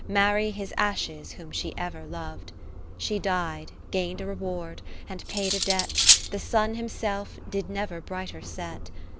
Marry his ashes whom she ever lov'd) : She died, gain'd a reward, and paid a debt The Sun himself did never brighter set.